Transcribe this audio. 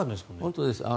本当です。